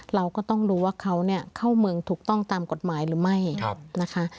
เราก็ต้องรู้ว่าเขาเข้าเมืองถูกต้องตามกฎหมายหรือไม่นะคะ